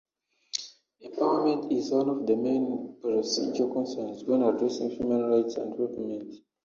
Empowerment is one of the main procedural concerns when addressing human rights and development.